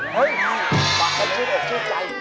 เฮ่ยปากไปชื่นใจ